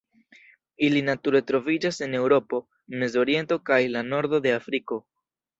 Ili nature troviĝas en Eŭropo, Mezoriento kaj la nordo de Afriko.